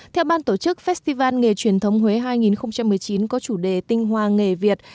theo ban tổ chức festival nghề truyền thống huế hai nghìn một mươi chín có chủ đề tinh hoa nghề việt